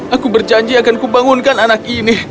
aku berjanji akan kubangunkan anak ini